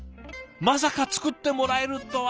まさか作ってもらえるとは」。